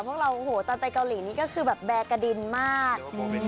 พวกเราโอ้โหตอนไปเกาหลีนี่ก็คือแบบแบร์กระดินมาก